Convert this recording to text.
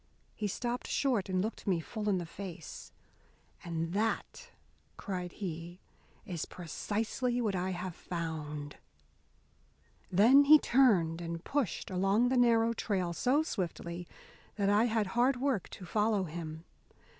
He stopped short and looked me full in the face. "And that," cried he, "is precisely what I have found!" Then he turned and pushed along the narrow trail so swiftly that I had hard work to follow him.